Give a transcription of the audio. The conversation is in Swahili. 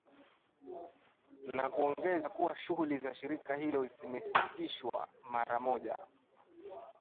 na kuongeza kuwa shughuli za shirika hilo zimesitishwa mara moja